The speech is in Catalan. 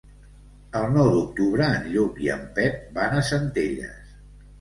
El nou d'octubre en Lluc i en Pep van a Centelles.